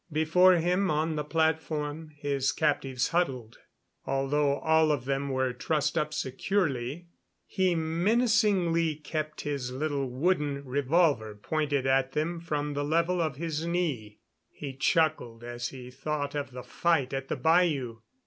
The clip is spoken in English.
Before him on the platform his captives huddled. Although all of them were trussed up securely, he menacingly kept his little wooden revolver pointed at them from the level of his knee. He chuckled as he thought of the fight at the bayou.